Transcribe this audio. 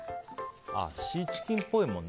シーチキンっぽいもんね。